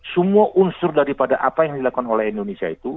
semua unsur daripada apa yang dilakukan oleh indonesia itu